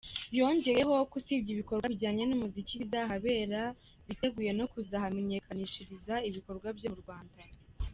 Yongeyeho ko usibye ibikorwa bijyanye n’umuziki bizahabera, biteguye no kuzahamenyekanishiriza ibikorerwa mu Rwanda.